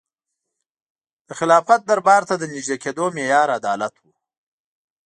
د خلافت دربار ته د نژدې کېدو معیار عدالت و.